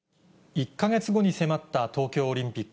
１か月後に迫った東京オリンピック。